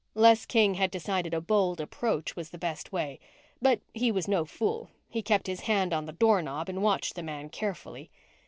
Les King had decided a bold approach was the best way. But he was no fool. He kept his hand on the doorknob and watched the man carefully.